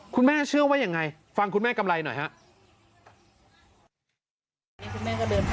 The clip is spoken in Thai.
คุณแม่เชื่อว่าอย่างไรฟังคุณแม่กำไรหน่อยครับ